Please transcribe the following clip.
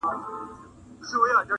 هره توره- هر میدان- او تورزن زما دی-